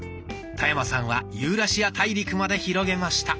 田山さんはユーラシア大陸まで広げました。